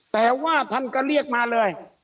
แต่ว่าท่านก็เรียกมาเลย